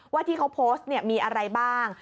ว่าที่เขาโพสต์มีอะไรบ้าง